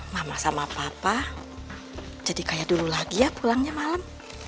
mama sama papa jadi kayak dulu lagi ya pulangnya malam